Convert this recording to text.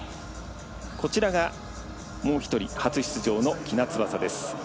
こちらがもう１人初出場の喜納翼です。